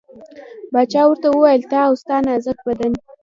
باچا ورته وویل ته او ستا نازک بدن.